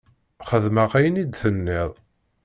Xedmeɣ ayen i d-tenniḍ.